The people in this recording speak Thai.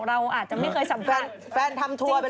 เราอาจจะไม่เคยสัมพันธ์